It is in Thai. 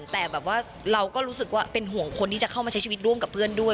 แต่แบบว่าเราก็รู้สึกว่าเป็นห่วงคนที่จะเข้ามาใช้ชีวิตร่วมกับเพื่อนด้วย